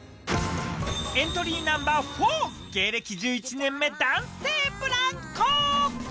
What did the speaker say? エントリーナンバー４、芸歴１１年目、男性ブランコ。